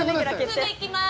すぐ行きます。